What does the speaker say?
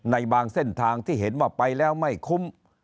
ในบางเส้นทางที่เห็นว่าไปแล้วไม่คุ้ม